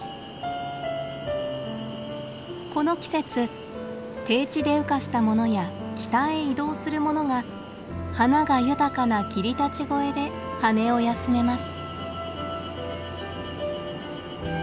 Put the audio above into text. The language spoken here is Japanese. この季節低地で羽化したものや北へ移動するものが花が豊かな霧立越で羽を休めます。